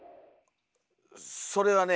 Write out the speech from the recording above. それはね。